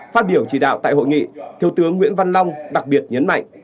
phát biểu chỉ đạo tại hội nghị thiếu tướng nguyễn văn long đặc biệt nhấn mạnh